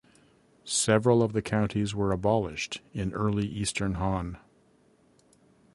Several of the counties were abolished in early Eastern Han.